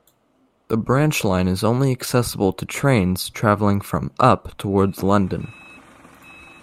The branch line is only accessible to trains travelling from "up" towards London.